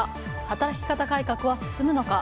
働き方改革は進むのか？